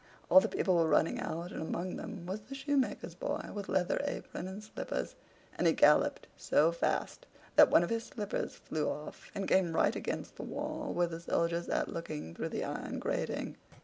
All the people were running out, and among them was the shoemaker's boy with leather apron and slippers, and he galloped so fast that one of his slippers flew off, and came right against the wall where the Soldier sat looking through the iron grating.